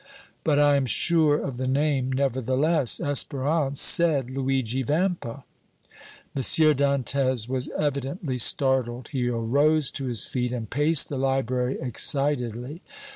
"But I am sure of the name, nevertheless. Espérance said Luigi Vampa." M. Dantès was evidently startled; he arose to his feet and paced the library excitedly.